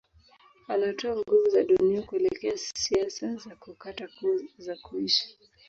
Anatoa nguvu za dunia kuelekea siasa za kukata koo za kuishi